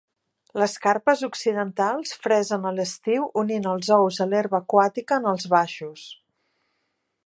Les carpes occidentals fresen a l'estiu, unint els ous a l'herba aquàtica en els baixos.